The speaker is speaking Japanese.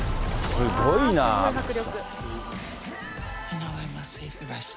すごい迫力。